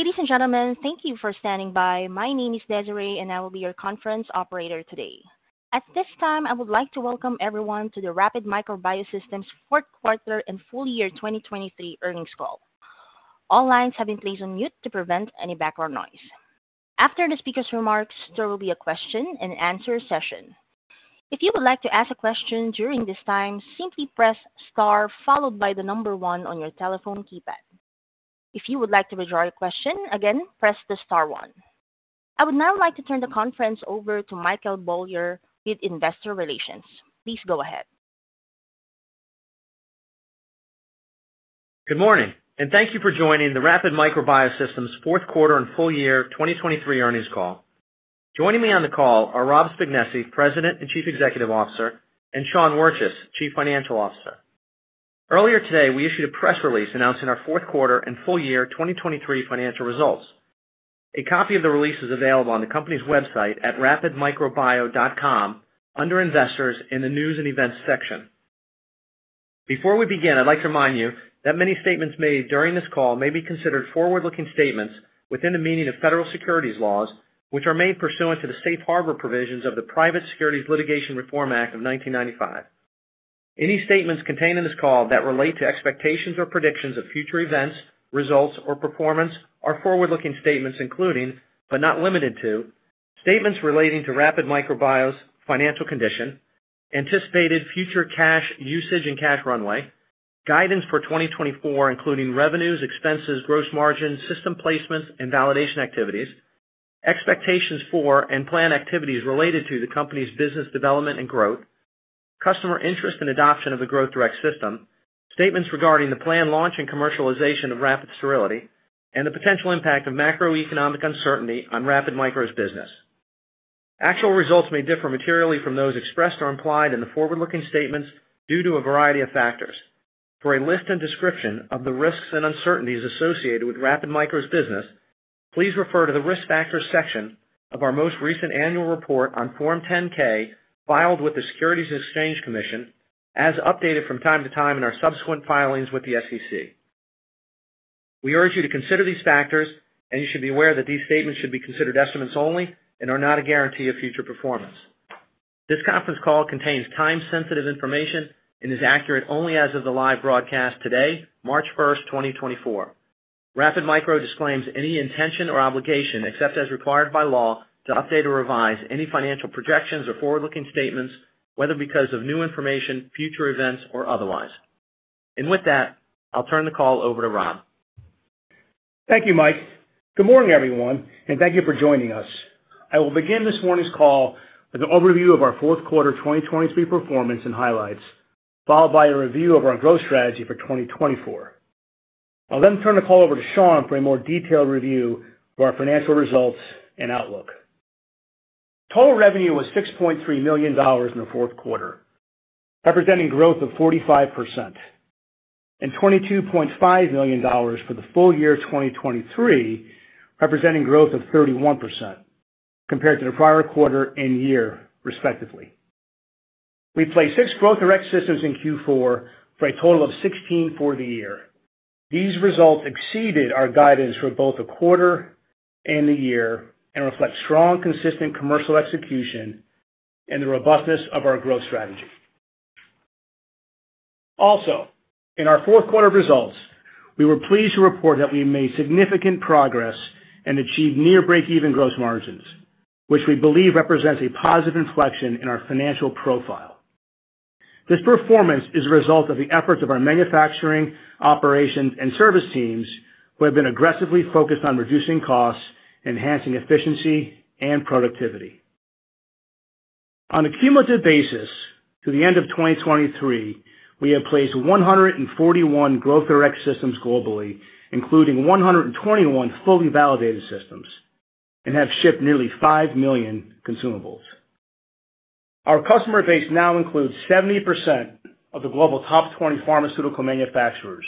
Ladies and gentlemen, thank you for standing by. My name is Desiree, and I will be your conference operator today. At this time, I would like to welcome everyone to the Rapid Micro Biosystems fourth quarter and full year 2023 earnings call. All lines have been placed on mute to prevent any background noise. After the speaker's remarks, there will be a question-and-answer session. If you would like to ask a question during this time, simply press * followed by the number 1 on your telephone keypad. If you would like to withdraw your question, again, press the * one. I would now like to turn the conference over to Michael Beaulieu with Investor Relations. Please go ahead. Good morning, and thank you for joining the Rapid Micro Biosystems fourth quarter and full year 2023 earnings call. Joining me on the call are Rob Spignesi, President and Chief Executive Officer, and Sean Wirtjes, Chief Financial Officer. Earlier today, we issued a press release announcing our fourth quarter and full year 2023 financial results. A copy of the release is available on the company's website at rapidmicrobio.com under Investors in the News and Events section. Before we begin, I'd like to remind you that many statements made during this call may be considered forward-looking statements within the meaning of federal securities laws, which are made pursuant to the Safe Harbor provisions of the Private Securities Litigation Reform Act of 1995. Any statements contained in this call that relate to expectations or predictions of future events, results, or performance are forward-looking statements including, but not limited to, statements relating to Rapid Micro Biosystems' financial condition, anticipated future cash usage and cash runway, guidance for 2024 including revenues, expenses, gross margins, system placements, and validation activities, expectations for and plan activities related to the company's business development and growth, customer interest and adoption of the Growth Direct system, statements regarding the planned launch and commercialization of Rapid Sterility, and the potential impact of macroeconomic uncertainty on Rapid Micro Biosystems' business. Actual results may differ materially from those expressed or implied in the forward-looking statements due to a variety of factors. For a list and description of the risks and uncertainties associated with Rapid Micro's business, please refer to the Risk Factors section of our most recent annual report on Form 10-K filed with the Securities and Exchange Commission, as updated from time to time in our subsequent filings with the SEC. We urge you to consider these factors, and you should be aware that these statements should be considered estimates only and are not a guarantee of future performance. This conference call contains time-sensitive information and is accurate only as of the live broadcast today, March 1, 2024. Rapid Micro disclaims any intention or obligation except as required by law to update or revise any financial projections or forward-looking statements, whether because of new information, future events, or otherwise. With that, I'll turn the call over to Rob. Thank you, Mike. Good morning, everyone, and thank you for joining us. I will begin this morning's call with an overview of our fourth quarter 2023 performance and highlights, followed by a review of our growth strategy for 2024. I'll then turn the call over to Sean for a more detailed review of our financial results and outlook. Total revenue was $6.3 million in the fourth quarter, representing growth of 45%, and $22.5 million for the full year 2023, representing growth of 31% compared to the prior quarter and year, respectively. We placed six Growth Direct systems in Q4 for a total of 16 for the year. These results exceeded our guidance for both the quarter and the year and reflect strong, consistent commercial execution and the robustness of our growth strategy. Also, in our fourth quarter results, we were pleased to report that we made significant progress and achieved near break-even gross margins, which we believe represents a positive inflection in our financial profile. This performance is a result of the efforts of our manufacturing, operations, and service teams who have been aggressively focused on reducing costs, enhancing efficiency, and productivity. On a cumulative basis, to the end of 2023, we have placed 141 Growth Direct systems globally, including 121 fully validated systems, and have shipped nearly 5 million consumables. Our customer base now includes 70% of the global top 20 pharmaceutical manufacturers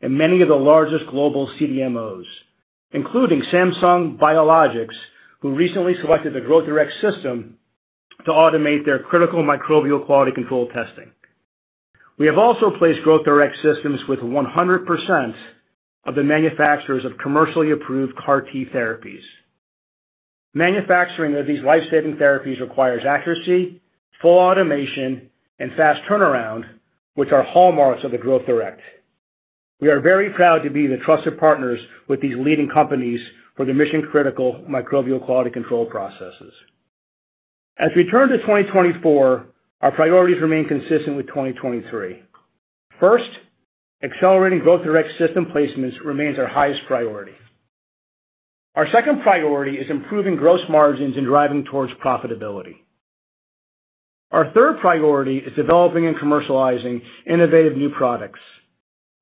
and many of the largest global CDMOs, including Samsung Biologics, who recently selected the Growth Direct system to automate their critical microbial quality control testing. We have also placed Growth Direct systems with 100% of the manufacturers of commercially approved CAR-T therapies. Manufacturing of these lifesaving therapies requires accuracy, full automation, and fast turnaround, which are hallmarks of the Growth Direct. We are very proud to be the trusted partners with these leading companies for their mission-critical microbial quality control processes. As we turn to 2024, our priorities remain consistent with 2023. First, accelerating Growth Direct system placements remains our highest priority. Our second priority is improving gross margins and driving towards profitability. Our third priority is developing and commercializing innovative new products,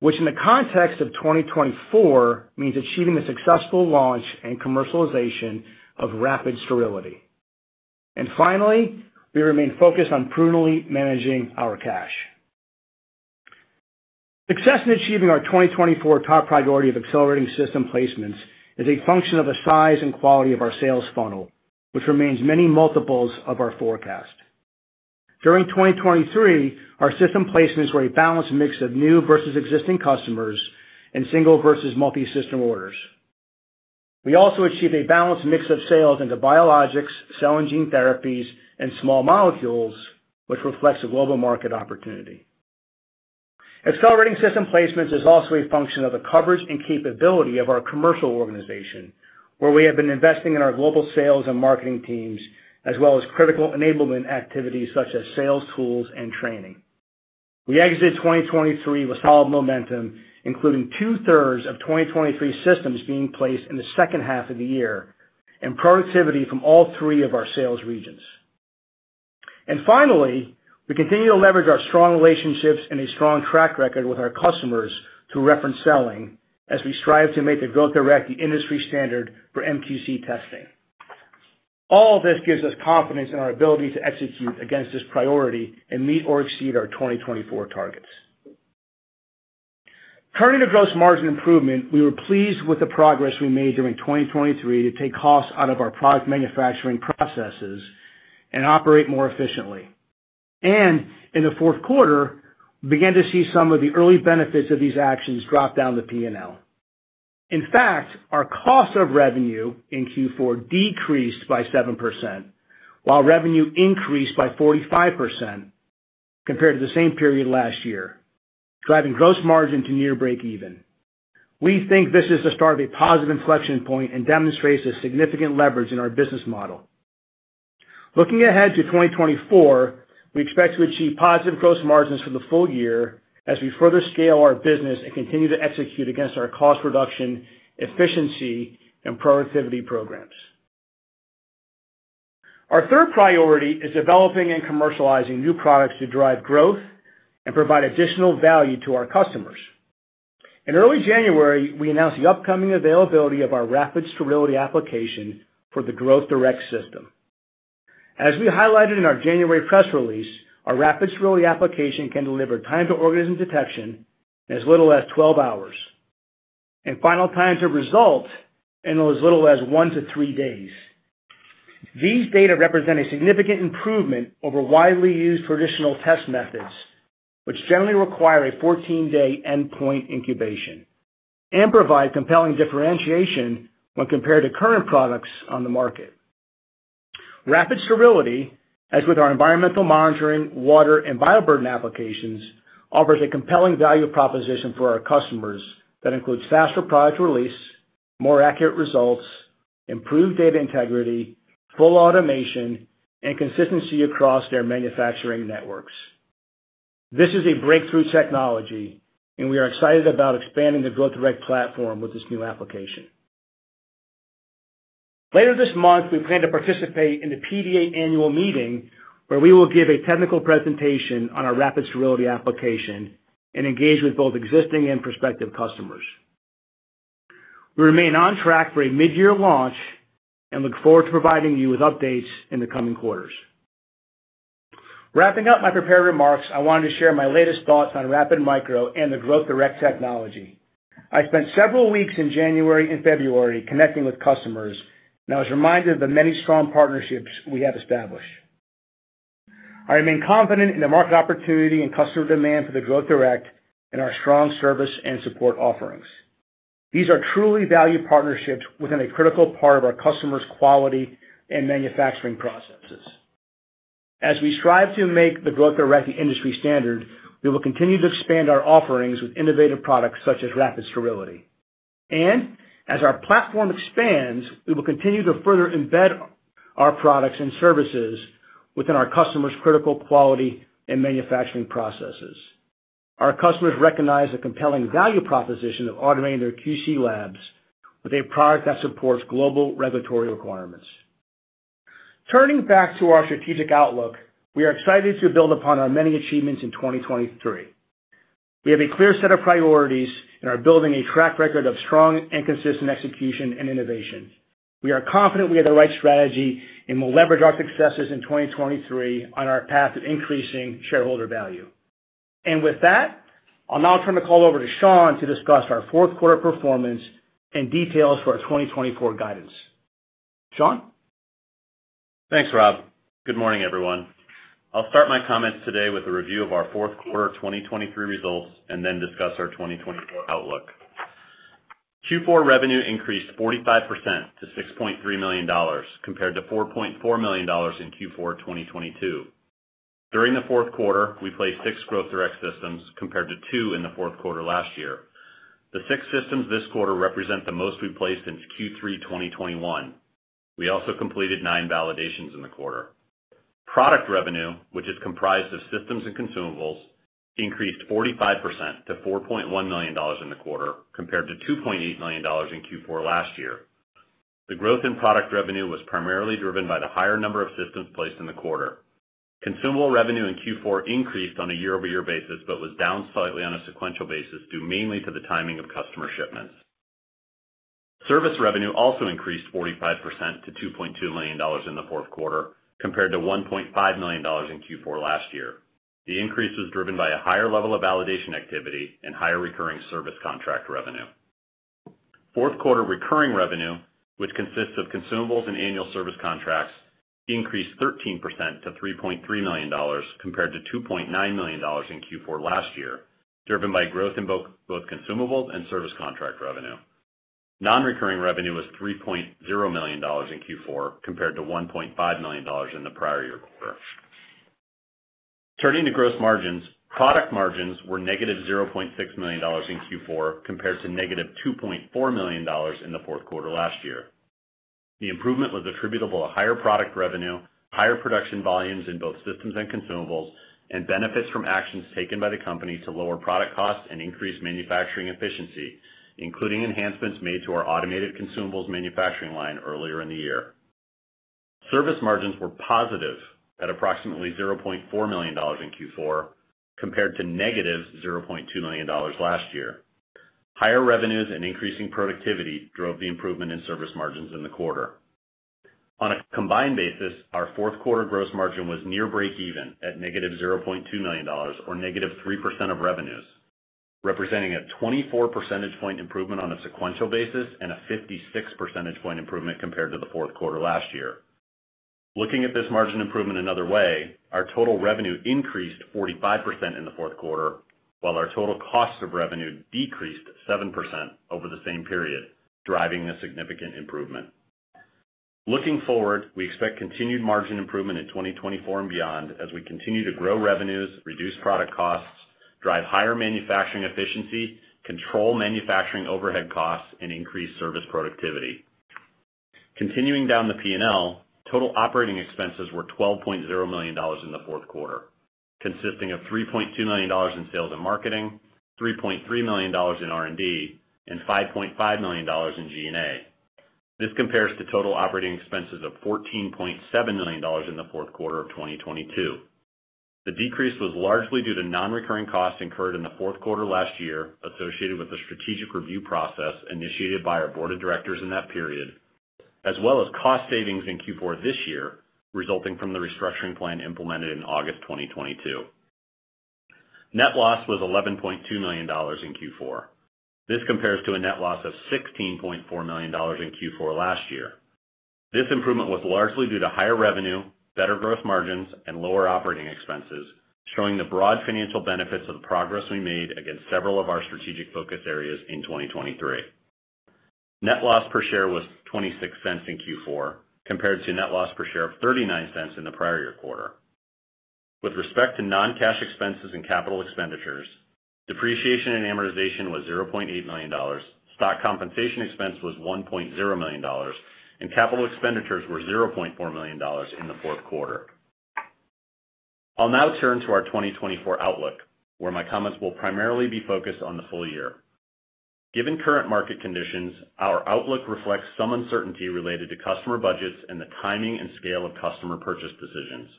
which in the context of 2024 means achieving the successful launch and commercialization of Rapid Sterility. And finally, we remain focused on prudently managing our cash. Success in achieving our 2024 top priority of accelerating system placements is a function of the size and quality of our sales funnel, which remains many multiples of our forecast. During 2023, our system placements were a balanced mix of new versus existing customers and single versus multi-system orders. We also achieved a balanced mix of sales into biologics, cell and gene therapies, and small molecules, which reflects a global market opportunity. Accelerating system placements is also a function of the coverage and capability of our commercial organization, where we have been investing in our global sales and marketing teams as well as critical enablement activities such as sales tools and training. We exited 2023 with solid momentum, including two-thirds of 2023 systems being placed in the second half of the year and productivity from all three of our sales regions. And finally, we continue to leverage our strong relationships and a strong track record with our customers to reference selling as we strive to make the Growth Direct the industry standard for MQC testing. All of this gives us confidence in our ability to execute against this priority and meet or exceed our 2024 targets. Turning to gross margin improvement, we were pleased with the progress we made during 2023 to take costs out of our product manufacturing processes and operate more efficiently. In the fourth quarter, we began to see some of the early benefits of these actions drop down the P&L. In fact, our cost of revenue in Q4 decreased by 7% while revenue increased by 45% compared to the same period last year, driving gross margin to near break-even. We think this is the start of a positive inflection point and demonstrates a significant leverage in our business model. Looking ahead to 2024, we expect to achieve positive gross margins for the full year as we further scale our business and continue to execute against our cost reduction, efficiency, and productivity programs. Our third priority is developing and commercializing new products to drive growth and provide additional value to our customers. In early January, we announced the upcoming availability of our Rapid Sterility application for the Growth Direct system. As we highlighted in our January press release, our Rapid Sterility application can deliver time-to-organism detection in as little as 12 hours and final time-to-result in as little as 1-3 days. These data represent a significant improvement over widely used traditional test methods, which generally require a 14-day endpoint incubation and provide compelling differentiation when compared to current products on the market. Sterility, as with our environmental monitoring, water, and bioburden applications, offers a compelling value proposition for our customers that includes faster product release, more accurate results, improved data integrity, full automation, and consistency across their manufacturing networks. This is a breakthrough technology, and we are excited about expanding the Growth Direct platform with this new application. Later this month, we plan to participate in the PDA annual meeting where we will give a technical presentation on our Rapid Sterility application and engage with both existing and prospective customers. We remain on track for a midyear launch and look forward to providing you with updates in the coming quarters. Wrapping up my prepared remarks, I wanted to share my latest thoughts on Rapid Micro and the Growth Direct technology. I spent several weeks in January and February connecting with customers, and I was reminded of the many strong partnerships we have established. I remain confident in the market opportunity and customer demand for the Growth Direct and our strong service and support offerings. These are truly valued partnerships within a critical part of our customers' quality and manufacturing processes. As we strive to make the Growth Direct the industry standard, we will continue to expand our offerings with innovative products such as Rapid Sterility. As our platform expands, we will continue to further embed our products and services within our customers' critical quality and manufacturing processes. Our customers recognize the compelling value proposition of automating their QC labs with a product that supports global regulatory requirements. Turning back to our strategic outlook, we are excited to build upon our many achievements in 2023. We have a clear set of priorities, and we are building a track record of strong and consistent execution and innovation. We are confident we have the right strategy, and we'll leverage our successes in 2023 on our path to increasing shareholder value. With that, I'll now turn the call over to Sean to discuss our fourth quarter performance and details for our 2024 guidance. Sean? Thanks, Rob. Good morning, everyone. I'll start my comments today with a review of our fourth quarter 2023 results and then discuss our 2024 outlook. Q4 revenue increased 45% to $6.3 million compared to $4.4 million in Q4 2022. During the fourth quarter, we placed six Growth Direct systems compared to two in the fourth quarter last year. The six systems this quarter represent the most we placed since Q3 2021. We also completed nine validations in the quarter. Product revenue, which is comprised of systems and consumables, increased 45% to $4.1 million in the quarter compared to $2.8 million in Q4 last year. The growth in product revenue was primarily driven by the higher number of systems placed in the quarter. Consumable revenue in Q4 increased on a year-over-year basis but was down slightly on a sequential basis due mainly to the timing of customer shipments. Service revenue also increased 45% to $2.2 million in the fourth quarter compared to $1.5 million in Q4 last year. The increase was driven by a higher level of validation activity and higher recurring service contract revenue. Fourth quarter recurring revenue, which consists of consumables and annual service contracts, increased 13% to $3.3 million compared to $2.9 million in Q4 last year, driven by growth in both consumables and service contract revenue. Non-recurring revenue was $3.0 million in Q4 compared to $1.5 million in the prior year quarter. Turning to gross margins, product margins were negative $0.6 million in Q4 compared to negative $2.4 million in the fourth quarter last year. The improvement was attributable to higher product revenue, higher production volumes in both systems and consumables, and benefits from actions taken by the company to lower product costs and increase manufacturing efficiency, including enhancements made to our automated consumables manufacturing line earlier in the year. Service margins were positive at approximately $0.4 million in Q4 compared to -$0.2 million last year. Higher revenues and increasing productivity drove the improvement in service margins in the quarter. On a combined basis, our fourth quarter gross margin was near break-even at -$0.2 million or -3% of revenues, representing a 24 percentage point improvement on a sequential basis and a 56 percentage point improvement compared to the fourth quarter last year. Looking at this margin improvement another way, our total revenue increased 45% in the fourth quarter, while our total cost of revenue decreased 7% over the same period, driving a significant improvement. Looking forward, we expect continued margin improvement in 2024 and beyond as we continue to grow revenues, reduce product costs, drive higher manufacturing efficiency, control manufacturing overhead costs, and increase service productivity. Continuing down the P&L, total operating expenses were $12.0 million in the fourth quarter, consisting of $3.2 million in sales and marketing, $3.3 million in R&D, and $5.5 million in G&A. This compares to total operating expenses of $14.7 million in the fourth quarter of 2022. The decrease was largely due to non-recurring costs incurred in the fourth quarter last year associated with the strategic review process initiated by our board of directors in that period, as well as cost savings in Q4 this year resulting from the restructuring plan implemented in August 2022. Net loss was $11.2 million in Q4. This compares to a net loss of $16.4 million in Q4 last year. This improvement was largely due to higher revenue, better gross margins, and lower operating expenses, showing the broad financial benefits of the progress we made against several of our strategic focus areas in 2023. Net loss per share was $0.26 in Q4 compared to net loss per share of $0.39 in the prior year quarter. With respect to non-cash expenses and capital expenditures, depreciation and amortization was $0.8 million, stock compensation expense was $1.0 million, and capital expenditures were $0.4 million in the fourth quarter. I'll now turn to our 2024 outlook, where my comments will primarily be focused on the full year. Given current market conditions, our outlook reflects some uncertainty related to customer budgets and the timing and scale of customer purchase decisions.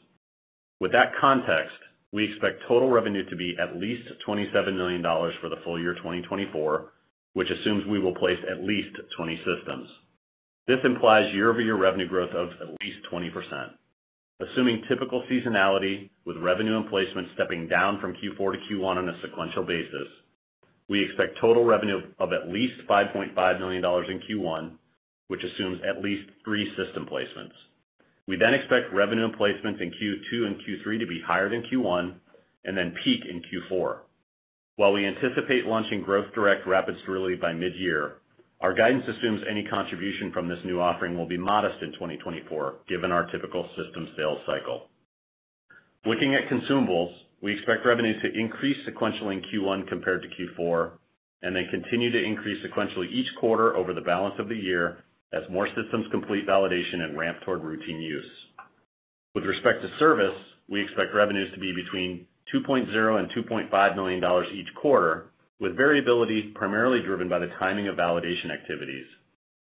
With that context, we expect total revenue to be at least $27 million for the full year 2024, which assumes we will place at least 20 systems. This implies year-over-year revenue growth of at least 20%. Assuming typical seasonality with revenue and placements stepping down from Q4 to Q1 on a sequential basis, we expect total revenue of at least $5.5 million in Q1, which assumes at least three system placements. We then expect revenue and placements in Q2 and Q3 to be higher than Q1 and then peak in Q4. While we anticipate launching Growth Direct Rapid Sterility by midyear, our guidance assumes any contribution from this new offering will be modest in 2024 given our typical system sales cycle. Looking at consumables, we expect revenues to increase sequentially in Q1 compared to Q4 and then continue to increase sequentially each quarter over the balance of the year as more systems complete validation and ramp toward routine use. With respect to service, we expect revenues to be between $2.0-$2.5 million each quarter, with variability primarily driven by the timing of validation activities.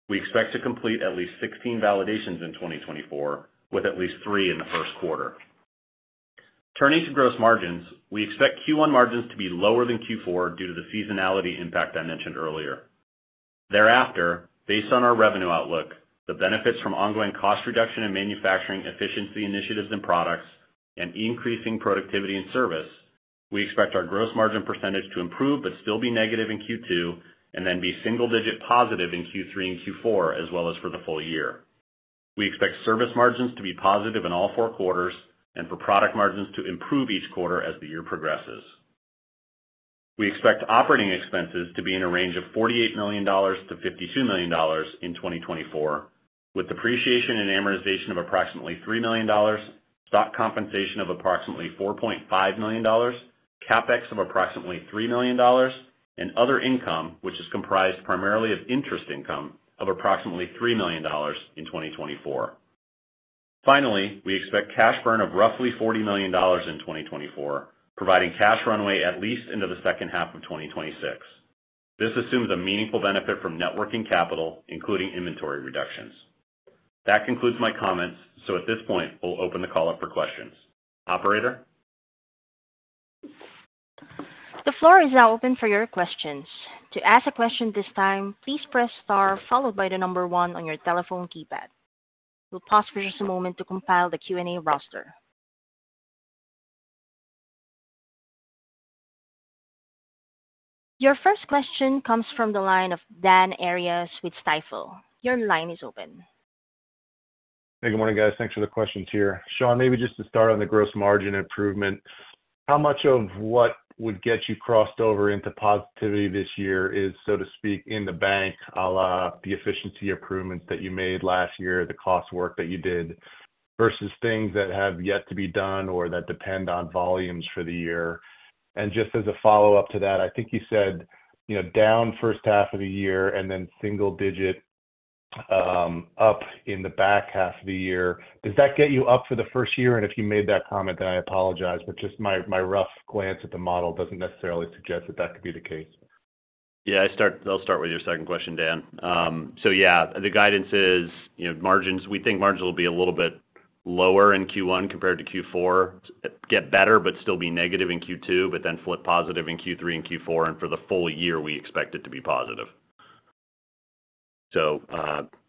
We expect to complete at least 16 validations in 2024, with at least three in the first quarter. Turning to gross margins, we expect Q1 margins to be lower than Q4 due to the seasonality impact I mentioned earlier. Thereafter, based on our revenue outlook, the benefits from ongoing cost reduction and manufacturing efficiency initiatives and products, and increasing productivity and service, we expect our gross margin percentage to improve but still be negative in Q2 and then be single-digit positive in Q3 and Q4 as well as for the full year. We expect service margins to be positive in all four quarters and for product margins to improve each quarter as the year progresses. We expect operating expenses to be in a range of $48 million-$52 million in 2024, with depreciation and amortization of approximately $3 million, stock compensation of approximately $4.5 million, CapEx of approximately $3 million, and other income, which is comprised primarily of interest income, of approximately $3 million in 2024. Finally, we expect cash burn of roughly $40 million in 2024, providing cash runway at least into the second half of 2026. This assumes a meaningful benefit from net working capital, including inventory reductions. That concludes my comments, so at this point, we'll open the call up for questions. Operator? The floor is now open for your questions. To ask a question this time, please press star followed by 1 on your telephone keypad. We'll pause for just a moment to compile the Q&A roster. Your first question comes from the line of Dan Arias with Stifel. Your line is open. Hey, good morning, guys. Thanks for the questions here. Sean, maybe just to start on the gross margin improvement, how much of what would get you crossed over into positivity this year is, so to speak, in the bank, the efficiency improvements that you made last year, the cost work that you did, versus things that have yet to be done or that depend on volumes for the year? And just as a follow-up to that, I think you said down first half of the year and then single-digit up in the back half of the year. Does that get you up for the first year? And if you made that comment, then I apologize, but just my rough glance at the model doesn't necessarily suggest that that could be the case. Yeah, I'll start with your second question, Dan. So yeah, the guidance is margins. We think margins will be a little bit lower in Q1 compared to Q4, get better but still be negative in Q2, but then flip positive in Q3 and Q4. And for the full year, we expect it to be positive. So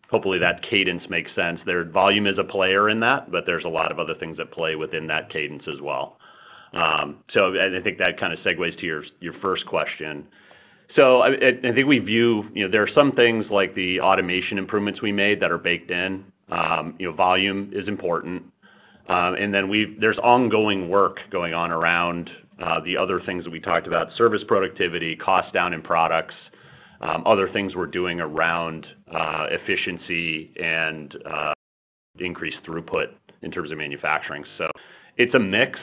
hopefully, that cadence makes sense. Volume is a player in that, but there's a lot of other things at play within that cadence as well. So I think that kind of segues to your first question. So I think we view there are some things like the automation improvements we made that are baked in. Volume is important. And then there's ongoing work going on around the other things that we talked about: service productivity, cost down in products, other things we're doing around efficiency and increased throughput in terms of manufacturing. So it's a mix,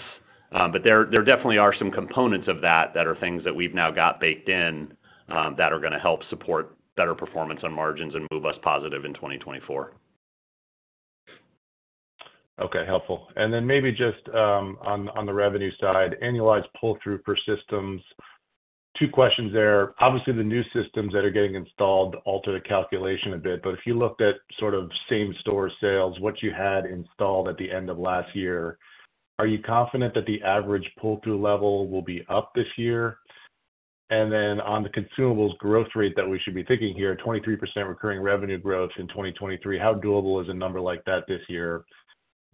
but there definitely are some components of that that are things that we've now got baked in that are going to help support better performance on margins and move us positive in 2024. Okay, helpful. And then maybe just on the revenue side, annualized pull-through per systems. Two questions there. Obviously, the new systems that are getting installed alter the calculation a bit, but if you looked at sort of same-store sales, what you had installed at the end of last year, are you confident that the average pull-through level will be up this year? And then on the consumables growth rate that we should be thinking here, 23% recurring revenue growth in 2023, how doable is a number like that this year?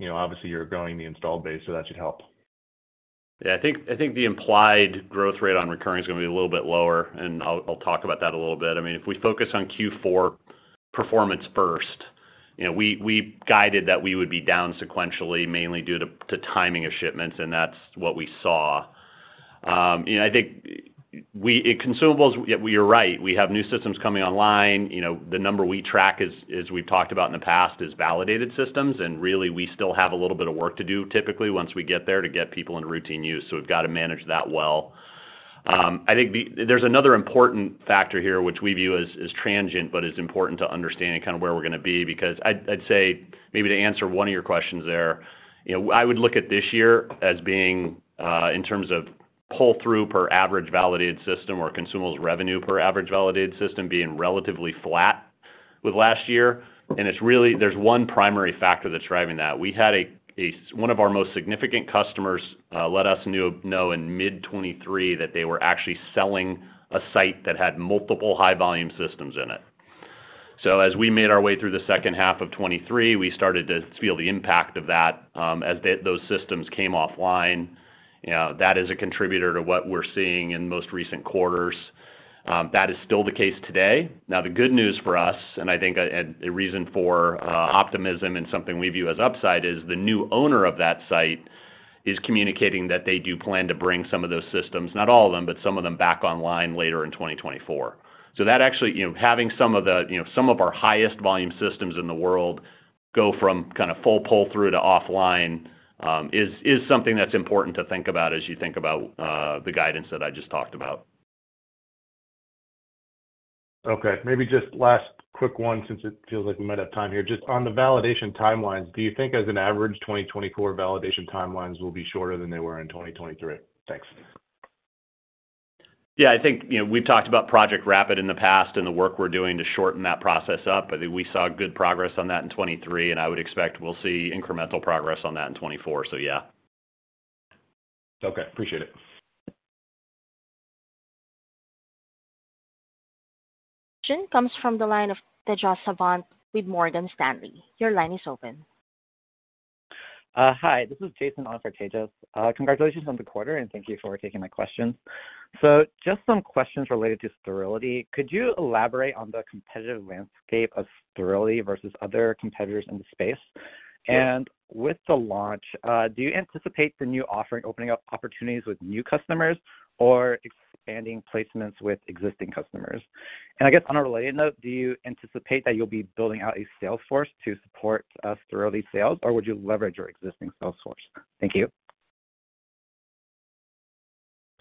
Obviously, you're growing the installed base, so that should help. Yeah, I think the implied growth rate on recurring is going to be a little bit lower, and I'll talk about that a little bit. I mean, if we focus on Q4 performance first, we guided that we would be down sequentially, mainly due to timing of shipments, and that's what we saw. I think consumables, you're right. We have new systems coming online. The number we track, as we've talked about in the past, is Validated Systems. And really, we still have a little bit of work to do, typically, once we get there to get people into routine use. So we've got to manage that well. I think there's another important factor here, which we view as transient but is important to understanding kind of where we're going to be because I'd say maybe to answer one of your questions there, I would look at this year as being, in terms of pull-through per average validated system or consumables revenue per average validated system, being relatively flat with last year. There's one primary factor that's driving that. One of our most significant customers let us know in mid-2023 that they were actually selling a site that had multiple high-volume systems in it. So as we made our way through the second half of 2023, we started to feel the impact of that as those systems came offline. That is a contributor to what we're seeing in most recent quarters. That is still the case today. Now, the good news for us, and I think a reason for optimism and something we view as upside is the new owner of that site is communicating that they do plan to bring some of those systems, not all of them, but some of them back online later in 2024. So having some of our highest volume systems in the world go from kind of full pull-through to offline is something that's important to think about as you think about the guidance that I just talked about. Okay, maybe just last quick one since it feels like we might have time here. Just on the validation timelines, do you think, as an average, 2024 validation timelines will be shorter than they were in 2023? Thanks. Yeah, I think we've talked about Project Rapid in the past and the work we're doing to shorten that process up. I think we saw good progress on that in 2023, and I would expect we'll see incremental progress on that in 2024. So yeah. Okay, appreciate it. Question comes from the line of Tejas Savant with Morgan Stanley. Your line is open. Hi, this is Jason on for Tejos. Congratulations on the quarter, and thank you for taking my questions. Just some questions related to sterility. Could you elaborate on the competitive landscape of sterility versus other competitors in the space? With the launch, do you anticipate the new offering opening up opportunities with new customers or expanding placements with existing customers? I guess on a related note, do you anticipate that you'll be building out a sales force to support sterility sales, or would you leverage your existing sales force? Thank you.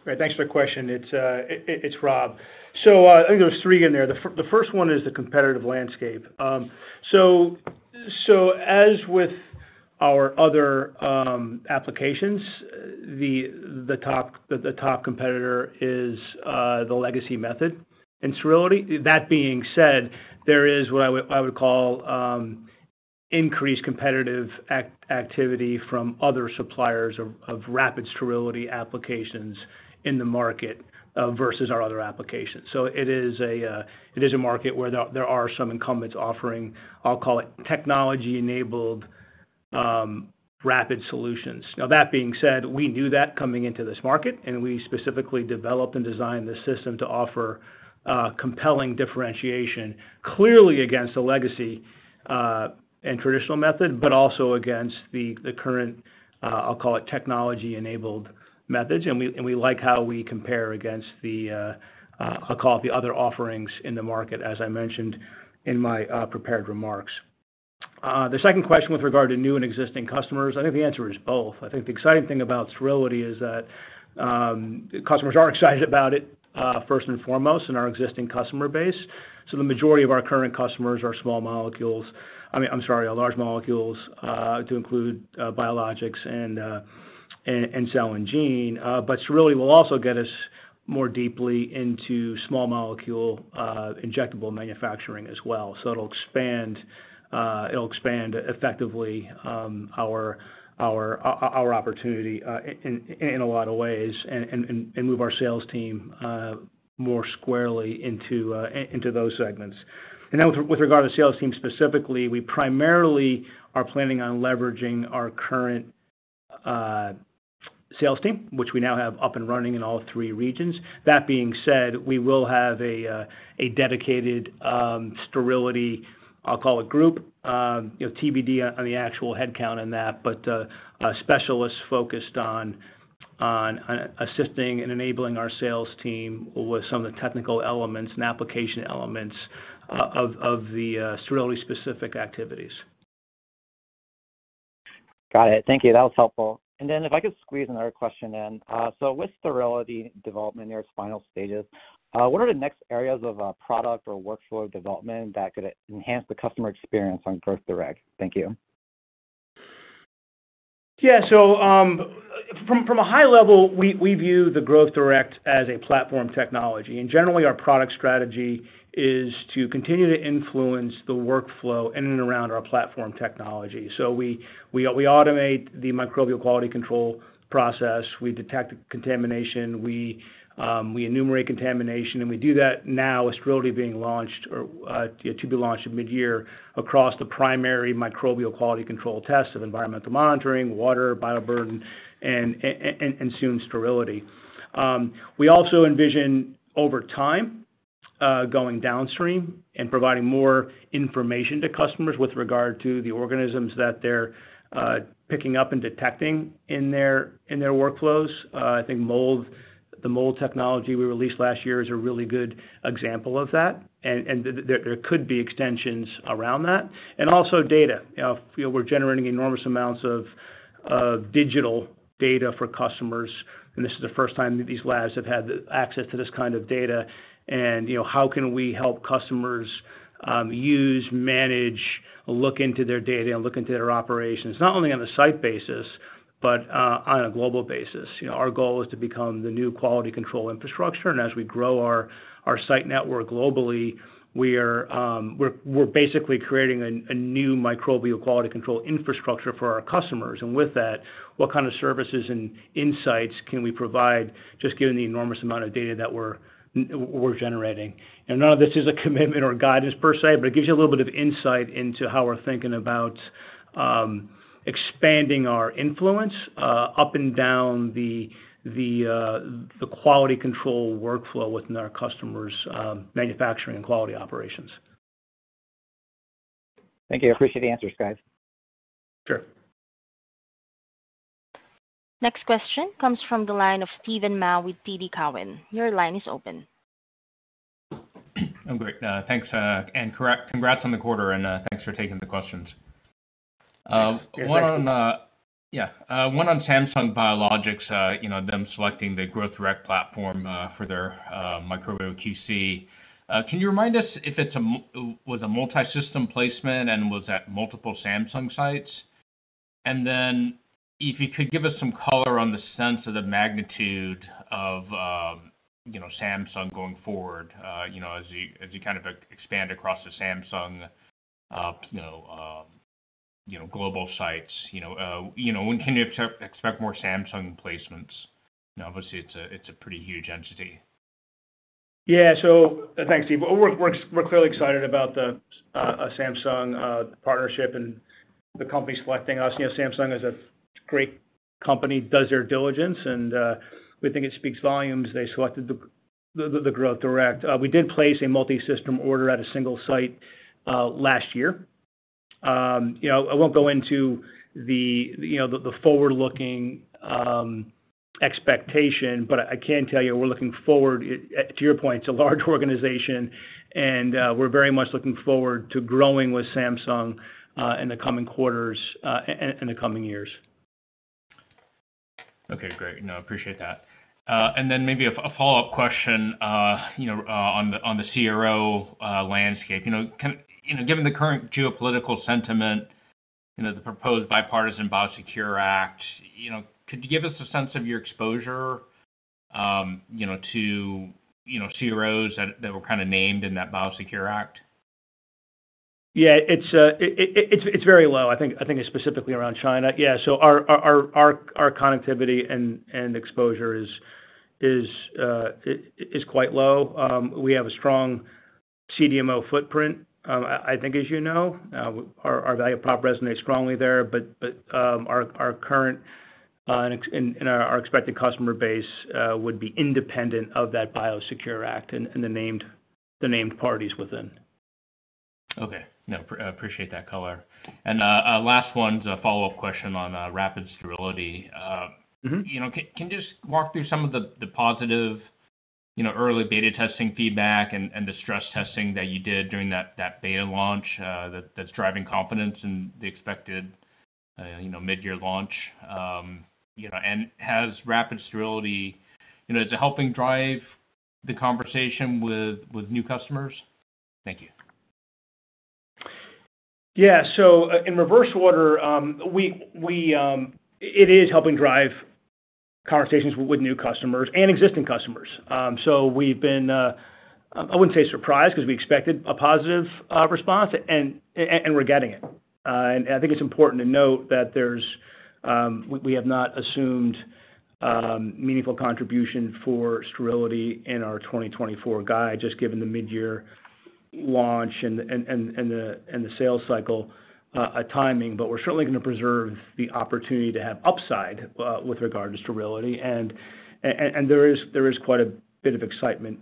All right, thanks for the question. It's Rob. So I think there's three in there. The first one is the competitive landscape. So as with our other applications, the top competitor is the legacy method in sterility. That being said, there is what I would call increased competitive activity from other suppliers of Rapid Sterility applications in the market versus our other applications. So it is a market where there are some incumbents offering, I'll call it, technology-enabled rapid solutions. Now, that being said, we knew that coming into this market, and we specifically developed and designed this system to offer compelling differentiation, clearly against the legacy and traditional method, but also against the current, I'll call it, technology-enabled methods. And we like how we compare against the, I'll call it, the other offerings in the market, as I mentioned in my prepared remarks. The second question with regard to new and existing customers, I think the answer is both. I think the exciting thing about sterility is that customers are excited about it, first and foremost, in our existing customer base. So the majority of our current customers are small molecules, I mean, I'm sorry, large molecules, to include biologics and cell and gene. But sterility will also get us more deeply into small molecule injectable manufacturing as well. So it'll expand effectively our opportunity in a lot of ways and move our sales team more squarely into those segments. And now, with regard to the sales team specifically, we primarily are planning on leveraging our current sales team, which we now have up and running in all three regions. That being said, we will have a dedicated sterility, I'll call it, group, TBD on the actual headcount and that, but specialists focused on assisting and enabling our sales team with some of the technical elements and application elements of the sterility-specific activities. Got it. Thank you. That was helpful. And then if I could squeeze another question in. So with sterility development in your final stages, what are the next areas of product or workflow development that could enhance the customer experience on Growth Direct? Thank you. Yeah, so from a high level, we view the Growth Direct as a platform technology. And generally, our product strategy is to continue to influence the workflow in and around our platform technology. So we automate the microbial quality control process. We detect contamination. We enumerate contamination. And we do that now with sterility being launched or to be launched mid-year across the primary microbial quality control tests of environmental monitoring, water, bioburden, and soon sterility. We also envision, over time, going downstream and providing more information to customers with regard to the organisms that they're picking up and detecting in their workflows. I think the mold technology we released last year is a really good example of that. And there could be extensions around that. And also data. We're generating enormous amounts of digital data for customers. This is the first time these labs have had access to this kind of data. How can we help customers use, manage, look into their data, and look into their operations, not only on a site basis but on a global basis? Our goal is to become the new quality control infrastructure. As we grow our site network globally, we're basically creating a new microbial quality control infrastructure for our customers. With that, what kind of services and insights can we provide just given the enormous amount of data that we're generating? None of this is a commitment or guidance per se, but it gives you a little bit of insight into how we're thinking about expanding our influence up and down the quality control workflow within our customers' manufacturing and quality operations. Thank you. I appreciate the answers, guys. Sure. Next question comes from the line of Steven Mah with TD Cowen. Your line is open. I'm great. Thanks. And congrats on the quarter, and thanks for taking the questions. Yeah, one on Samsung Biologics, them selecting the Growth Direct platform for their microbial QC. Can you remind us if it was a multi-system placement and was at multiple Samsung sites? And then if you could give us some color on the sense of the magnitude of Samsung going forward as you kind of expand across the Samsung global sites, when can you expect more Samsung placements? Obviously, it's a pretty huge entity. Yeah, so thanks, Steve. We're clearly excited about the Samsung partnership and the company selecting us. Samsung is a great company. Does their diligence, and we think it speaks volumes. They selected the Growth Direct. We did place a multi-system order at a single site last year. I won't go into the forward-looking expectation, but I can tell you we're looking forward. To your point, it's a large organization, and we're very much looking forward to growing with Samsung in the coming quarters and the coming years. Okay, great. No, appreciate that. And then maybe a follow-up question on the CRO landscape. Given the current geopolitical sentiment, the proposed bipartisan BIOSECURE Act, could you give us a sense of your exposure to CROs that were kind of named in that BIOSECURE Act? Yeah, it's very low, I think, specifically around China. Yeah, so our connectivity and exposure is quite low. We have a strong CDMO footprint, I think, as you know. Our value prop resonates strongly there, but our current and our expected customer base would be independent of that BIOSECURE Act and the named parties within. Okay, no, appreciate that color. And last one's a follow-up question on Rapid Sterility. Can you just walk through some of the positive early beta testing feedback and the stress testing that you did during that beta launch that's driving confidence in the expected mid-year launch? And has Rapid Sterility, is it helping drive the conversation with new customers? Thank you. Yeah, so in reverse order, it is helping drive conversations with new customers and existing customers. So we've been, I wouldn't say surprised because we expected a positive response, and we're getting it. And I think it's important to note that we have not assumed meaningful contribution for sterility in our 2024 guide, just given the mid-year launch and the sales cycle timing. But we're certainly going to preserve the opportunity to have upside with regard to sterility, and there is quite a bit of excitement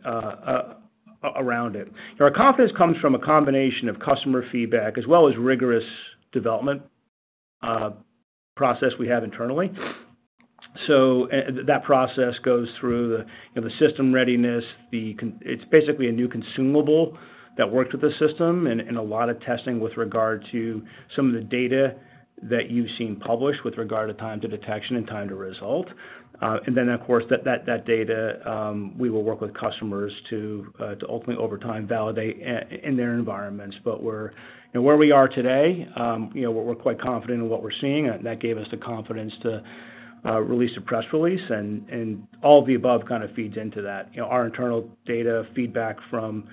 around it. Our confidence comes from a combination of customer feedback as well as rigorous development process we have internally. So that process goes through the system readiness. It's basically a new consumable that worked with the system and a lot of testing with regard to some of the data that you've seen published with regard to time to detection and time to result. And then, of course, that data, we will work with customers to ultimately, over time, validate in their environments. But where we are today, we're quite confident in what we're seeing. That gave us the confidence to release a press release. And all of the above kind of feeds into that. Our internal data feedback from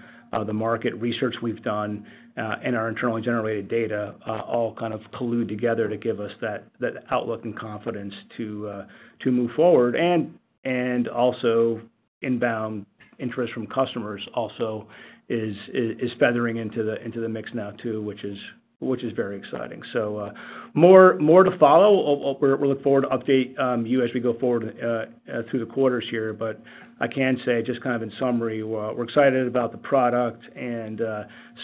the market research we've done and our internally generated data all kind of collude together to give us that outlook and confidence to move forward. And also inbound interest from customers also is feathering into the mix now too, which is very exciting. So more to follow. We'll look forward to update you as we go forward through the quarters here. But I can say, just kind of in summary, we're excited about the product, and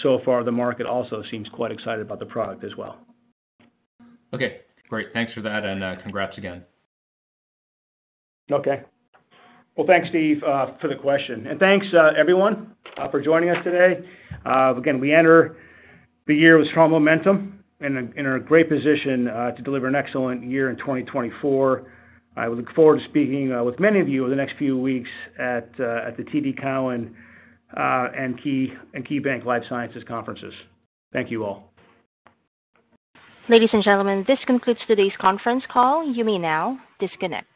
so far, the market also seems quite excited about the product as well. Okay, great. Thanks for that, and congrats again. Okay. Well, thanks, Steve, for the question. Thanks, everyone, for joining us today. Again, we enter the year with strong momentum and in a great position to deliver an excellent year in 2024. I look forward to speaking with many of you over the next few weeks at the TD Cowen and KeyBanc Life Sciences conferences. Thank you all. Ladies and gentlemen, this concludes today's conference call. You may now disconnect.